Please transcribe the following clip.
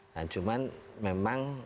nah cuman memang